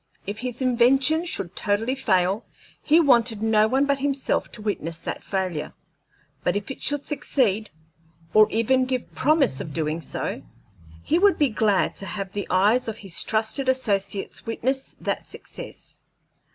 If his invention should totally fail, he wanted no one but himself to witness that failure; but if it should succeed, or even give promise of doing so, he would be glad to have the eyes of his trusted associates witness that success.